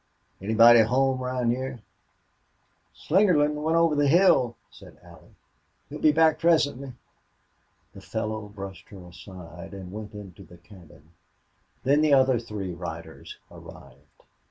Anybody home round here?" "Slingerland went over the hill," said Allie. "He'll be back presently." The fellow brushed her aside and went into the cabin. Then the other three riders arrived.